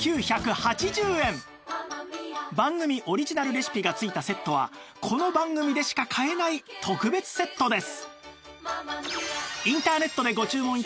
番組オリジナルレシピが付いたセットはこの番組でしか買えない特別セットです